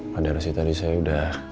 padahal sih tadi saya udah